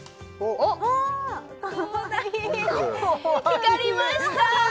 光りました！